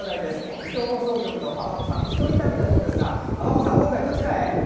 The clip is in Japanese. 水戸放送局の尼子さん１人旅だそうですが尼子さん、今回どちらへ？